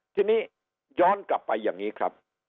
ทีนี้ย้อนกลับไปอย่างนี้ครับ